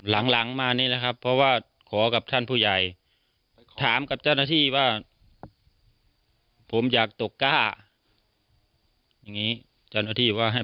มันน้ำได้ไหลจะเอามาตก้าเพราะเจ้าบ้านตกกันกันหมดแล้ว